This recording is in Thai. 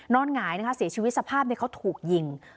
หงายนะคะเสียชีวิตสภาพเขาถูกยิง